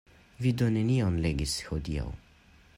Vi do nenion legis hodiaŭ?